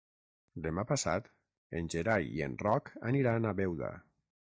Demà passat en Gerai i en Roc aniran a Beuda.